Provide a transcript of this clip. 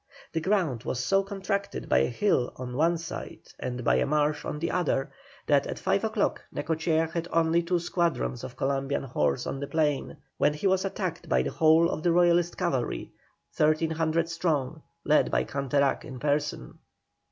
The ground was so contracted by a hill on one side and by a marsh on the other, that at five o'clock Necochea had only two squadrons of Columbian horse on the plain, when he was attacked by the whole of the Royalist cavalry, 1,300 strong, led by Canterac in person.